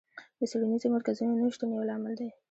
د څېړنیزو مرکزونو نشتون یو لامل دی.